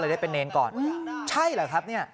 ได้เป็นเนรก่อนใช่เหรอครับเนี่ย